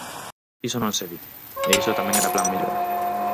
Iso non se di, e iso tamén era Plan Mellora.